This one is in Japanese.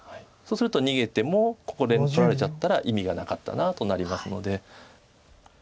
そうすると逃げてもこれが取られちゃったら意味がなかったなとなりますので。